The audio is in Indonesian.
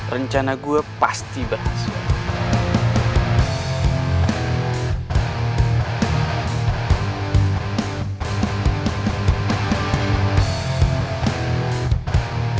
rencana gue pasti berhasil